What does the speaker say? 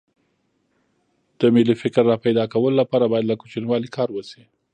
د ملي فکر راپیدا کولو لپاره باید له کوچنیوالي کار وشي